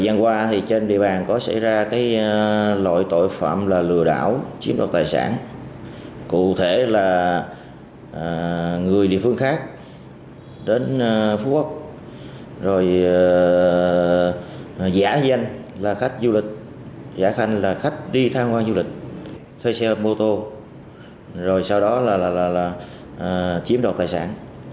người địa phương khác đến phú quốc rồi giả danh là khách du lịch giả thanh là khách đi tham quan du lịch thuê xe mô tô rồi sau đó là chiếm đoạt tài sản